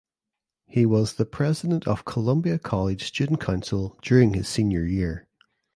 He was the president of Columbia College Student Council during his senior year.